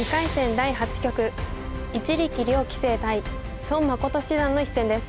第８局一力遼棋聖対孫七段の一戦です。